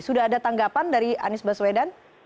sudah ada tanggapan dari anies baswedan